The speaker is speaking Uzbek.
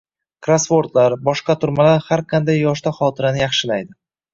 Krossvordlar, boshqotirmalar har qanday yoshda xotirani yaxshilaydi.